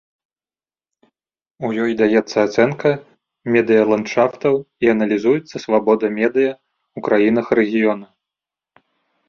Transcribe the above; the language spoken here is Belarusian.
У ёй даецца ацэнка медыяландшафтаў і аналізуецца свабода медыя ў краінах рэгіёна.